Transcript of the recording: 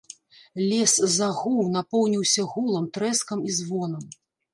Лес загуў, напоўніўся гулам, трэскам і звонам.